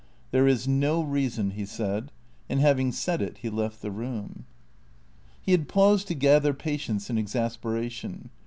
" There is no reason," he said ; and having said it, he left the room. He had paused to gather patience in exasperation.